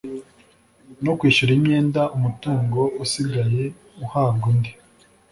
no kwishyura imyenda umutungo usigaye uhabwa undi